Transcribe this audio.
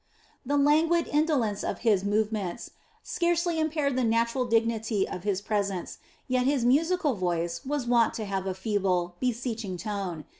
The languid indolence of his movements scarcely impaired the natural dignity of his presence, yet his musical voice was wont to have a feeble, beseeching tone.